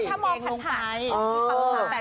เอาเกงลงไป